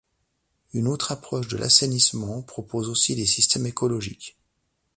Une autre approche de l'assainissement propose aussi des systèmes écologiques.